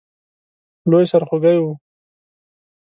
لوی سرخوږی وو.